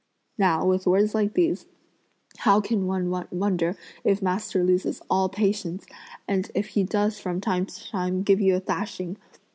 Now with words like these, how can one wonder if master loses all patience, and if he does from time to time give you a thrashing!